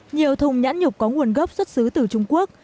nhiều thùng nhãn nhục có nguồn gốc xuất xứ từ trung quốc